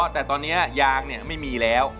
แต่ตอนนี้ยางไม่มีแล้ว